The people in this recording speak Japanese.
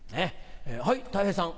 はいたい平さん。